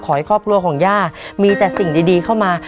ขอให้ครอบครัวของย่ามีแต่สิ่งดีเข้ามา